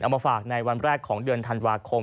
มาฝากในวันแรกของเดือนธันวาคม